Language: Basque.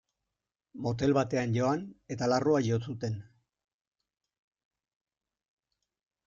Motel batean joan eta larrua jo zuten.